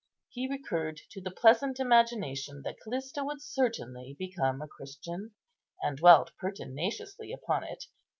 He recurred to the pleasant imagination that Callista would certainly become a Christian, and dwelt pertinaciously upon it.